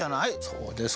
そうです